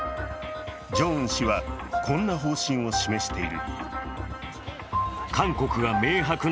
ジョンウン氏はこんな方針を示している。